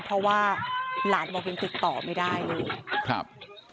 เพราะว่าหลานบอกยังติดต่อไม่ได้เลยครับ